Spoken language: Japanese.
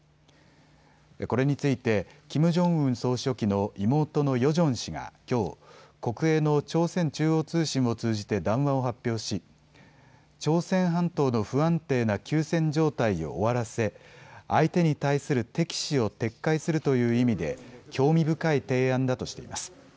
これについてキム・ジョンウン総書記の妹のヨジョン氏がきょう国営の朝鮮中央通信を通じて談話を発表し朝鮮半島の不安定な休戦状態を終わらせ相手に対する敵視を撤回するという意味で興味深い提案だとしています。